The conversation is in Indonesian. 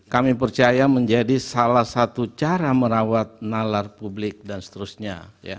kami percaya menjadi salah satu cara merawat nalar publik dan seterusnya